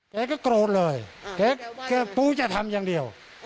เค้าก็โกรธเลยเค้าก็ปูจะทำอย่างเดียว